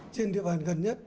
trên địa bàn gần nhất